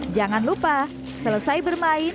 jangan lupa selesai bermain